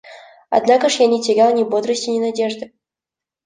Однако ж я не терял ни бодрости, ни надежды.